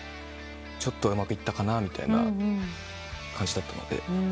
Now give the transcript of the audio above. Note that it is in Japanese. ちょっとうまくいったかなみたいな感じだったので。